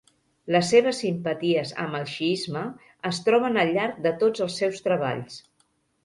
Les seves simpaties amb el xiisme es troben al llarg de tots els seus treballs.